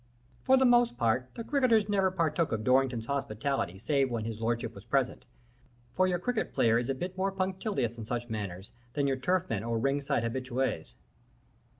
For the most part, the cricketers never partook of Dorrington's hospitality save when his lordship was present, for your cricket player is a bit more punctilious in such matters than your turfmen or ring side habitués.